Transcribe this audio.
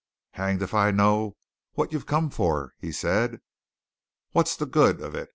"Hanged if I know what you've come for!" he said. "What's the good of it?